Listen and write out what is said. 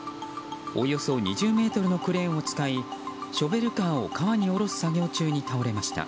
およそ２０ｍのクレーンを使いショベルカーを川に下ろす作業中に倒れました。